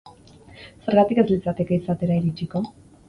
Zergatik ez litzateke izatera iritsiko?